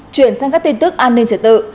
chuyển sang các tin tức an ninh trở tự